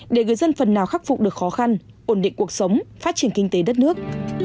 để người dân phần nào khắc phục được khó khăn ổn định cuộc sống phát triển kinh tế đất nước